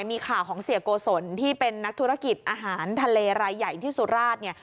มีข่าวของเสียโกศลที่เป็นนักธุรกิจอาหารทะเลรายใหญ่ที่สุราชเนี่ย